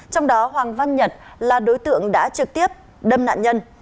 trong đó hoàng văn nhật là đối tượng đã trực tiếp đâm nạn nhân